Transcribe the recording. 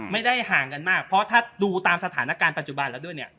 ไม่ได้ห่างกันมากเพราะถ้าดูตามสถานการณ์ปัจจุบันแล้วด้วยเนี่ย